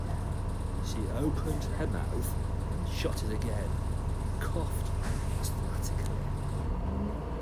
She opened her mouth and shut it again; he coughed asthmatically.